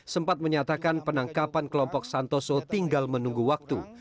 sempat menyatakan penangkapan kelompok santoso tinggal menunggu waktu